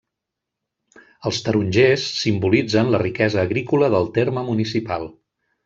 Els tarongers simbolitzen la riquesa agrícola del terme municipal.